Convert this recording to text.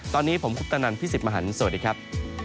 ตอนนี้ผมคุปตะนันพี่สิทธิ์มหันฯสวัสดีครับ